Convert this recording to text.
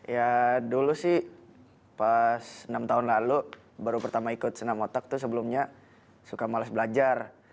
ya dulu sih pas enam tahun lalu baru pertama ikut senam otak tuh sebelumnya suka malas belajar